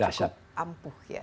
satu alat yang cukup ampuh ya